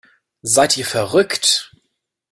Seid ihr verrückt?